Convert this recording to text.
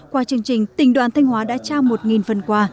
qua chương trình tỉnh đoàn thanh hóa đã trao một phần quà